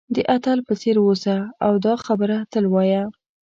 د اتل په څېر اوسه او دا خبره تل وایه.